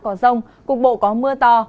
có rông cục bộ có mưa to